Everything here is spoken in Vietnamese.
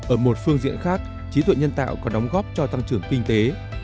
ở một phương diện khác trí tuệ nhân tạo có đóng góp cho tăng trưởng kinh tế